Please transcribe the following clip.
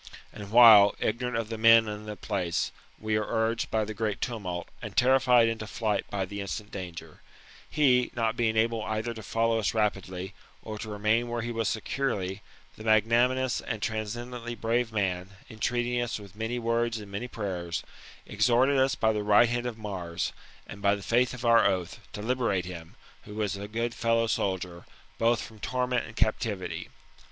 And while» ignorant of the men and the place, we are urged hy the great tumult, and terrified into flight by the instant danger, he, not being able either to follow us rapidly, or to rentain where he was securely, the magnanimous and transcendently brave man, entreating us with many words and many prayers, exhorted us by the right hand of Mars, and by the faith of our oath, to liber ate him, who was a good fellow soldier, from both torment and captivity.